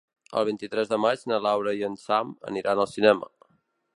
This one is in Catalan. El vint-i-tres de maig na Laura i en Sam aniran al cinema.